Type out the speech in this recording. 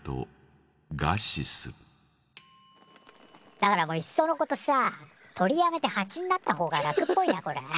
だからいっそうのことさ鳥やめてハチになったほうが楽っぽいなこれ。